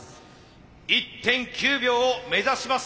１．９秒を目指します。